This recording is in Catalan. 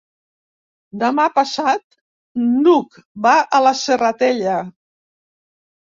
Demà passat n'Hug va a la Serratella.